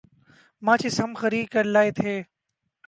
ماچس ہم خرید کر لائے تھے ۔